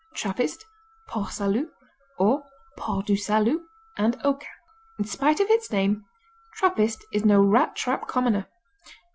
Trappist, Port Salut, or Port du Salut, and Oka In spite of its name Trappist is no rat trap commoner.